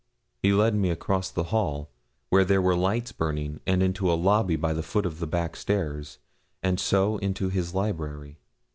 He led me across the hall, where there were lights burning, and into a lobby by the foot of the back stairs, and so into his library.